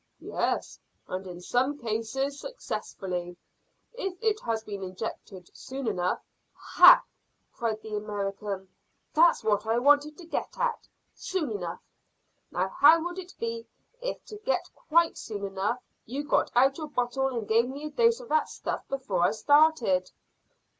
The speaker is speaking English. "Yes, and in some cases successfully, if it has been injected soon enough." "Hah!" cried the American. "That's what I wanted to get at soon enough. Now how would it be if to get quite soon enough you got out your bottle and gave me a dose of that stuff before I started?"